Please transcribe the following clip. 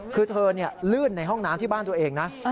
คือเธอลื่นในห้องน้ำที่บ้านตัวเองนะ